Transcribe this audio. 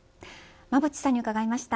馬渕さんに伺いました。